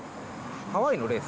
ハワイのレース？